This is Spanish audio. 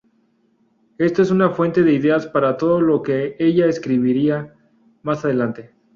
Esto es una fuente de ideas para todo lo que ella escribiría más adelante.